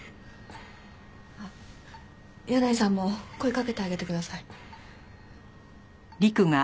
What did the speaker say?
あっ箭内さんも声かけてあげてください。